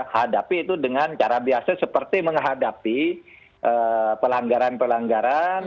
hadapi itu dengan cara biasa seperti menghadapi pelanggaran pelanggaran